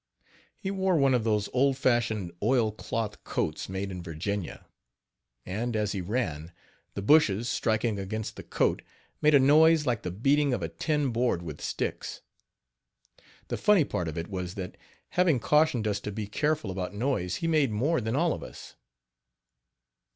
He wore one of those old fashioned oil cloth coats made in Virginia; and, as he ran, the bushes, striking against the coat, made a noise like the beating of a tin board with sticks. The funny part of it was that, having cautioned us to be careful about noise, he made more than all of us.